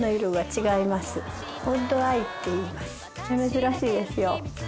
珍しいですよ。